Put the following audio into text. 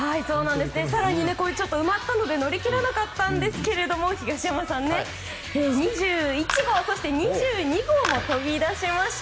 更に埋まったので乗り切らなかったんですが東山さん、２１号と２２号も飛び出しました。